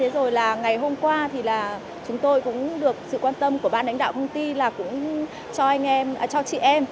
rồi là ngày hôm qua thì là chúng tôi cũng được sự quan tâm của ban đánh đạo công ty là cũng cho anh em cho chị em